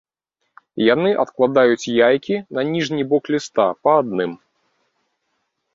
Яны адкладаюць яйкі на ніжні бок ліста па адным.